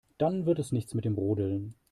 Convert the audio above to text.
Dann wird es nichts mit dem Rodeln.